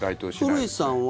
古市さんは？